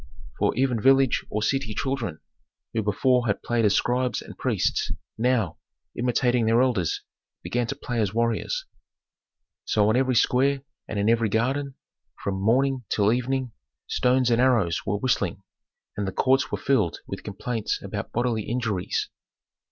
For even village or city children, who before had played as scribes and priests, now, imitating their elders, began to play as warriors. So on every square and in every garden, from morning till evening, stones and arrows were whistling, and the courts were filled with complaints about bodily injuries.